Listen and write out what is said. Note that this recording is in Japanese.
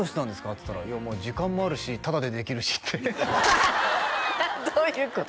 っつったら「いやまあ時間もあるしタダでできるし」ってどういうこと？